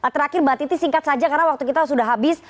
terakhir mbak titi singkat saja karena waktu kita sudah habis